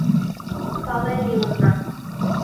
ПАЛЕН ИЛЫЗА!